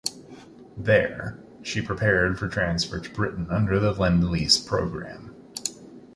There, she prepared for transfer to Britain under the Lend-Lease program.